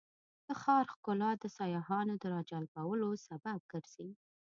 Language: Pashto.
د ښار ښکلا د سیاحانو د راجلبولو سبب ګرځي.